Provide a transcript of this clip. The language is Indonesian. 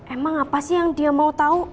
emang apa sih yang dia mau tahu